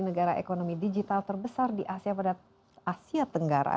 negara ekonomi digital terbesar di asia tenggara